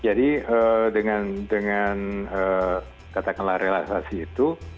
ya jadi dengan katakanlah relaksasi itu